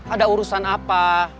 ada urusan apa